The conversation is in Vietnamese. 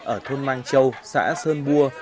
ở thôn mang châu xã sơn vua